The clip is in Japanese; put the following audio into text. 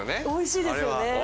おいしいですよね。